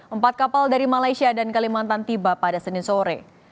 empat kapal dari malaysia dan kalimantan tiba pada senin sore